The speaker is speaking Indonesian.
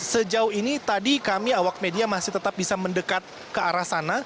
sejauh ini tadi kami awak media masih tetap bisa mendekat ke arah sana